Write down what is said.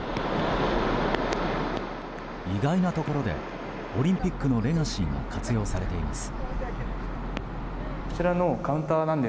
意外なところでオリンピックのレガシーが活用されています。